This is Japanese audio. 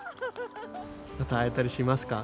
また会えたりしますか？